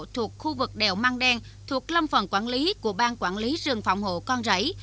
thuộc khu vực đèo măng đen thuộc lâm phần quản lý của bang quản lý rừng phòng hộ con rẫy